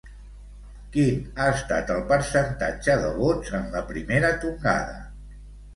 Quin ha estat el percentatge de vots en la primera tongada?